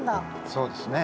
そうですね。